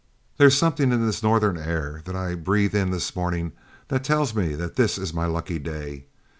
There's something in this northern air that I breathe in this morning that tells me that this is my lucky day.